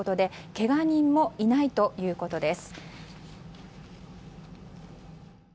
けが人もいないということです。